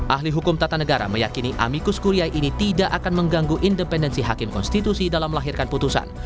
ahli hukum tata negara meyakini amikus kuria ini tidak akan mengganggu independensi hakim konstitusi dalam melahirkan putusan